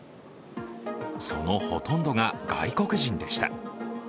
そのほとんどが、外国人でした。